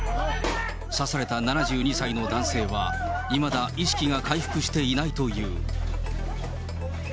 刺された７２歳の男性は、いまだ意識が回復していないという。